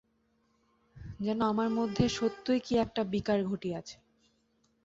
যেন আমাদের মধ্যে সত্যই কী একটা বিকার ঘটিয়াছে।